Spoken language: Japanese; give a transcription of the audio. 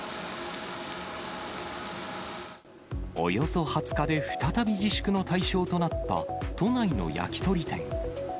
およそ２０日で再び自粛の対象となった、都内の焼き鳥店。